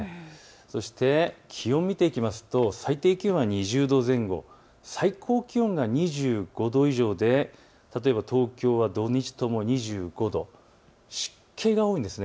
そして気温を見ていくと最低気温は２０度前後、最高気温が２５度以上で例えば東京は土日とも２５度、湿気が多いんです。